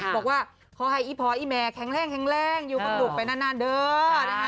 บอกว่าขอให้อีพ่ออีแม่แข็งแรงอยู่ภรรกไปนานเดิน